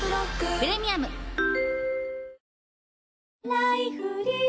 「ライフリー」